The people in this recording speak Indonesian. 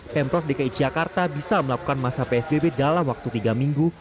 pemprov dki jakarta bisa melakukan masa psbb dalam waktu tiga minggu